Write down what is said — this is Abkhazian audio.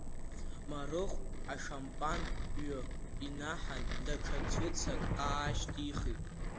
Марыхә ашампан ҩы инаҳан, даҽа ҵәыцак аашьҭихит.